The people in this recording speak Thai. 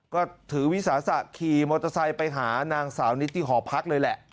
ก็ถือวิสาสะขี่มอเตอร์ไซค์ไปหานางสาวนิดที่หอพักเลยแหละ